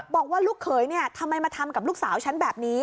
บอกว่าลูกเขยทำไมมาทำกับลูกสาวฉันแบบนี้